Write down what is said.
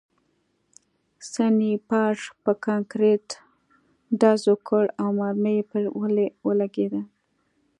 سنایپر په کانکریټ ډز وکړ او مرمۍ پرې ولګېده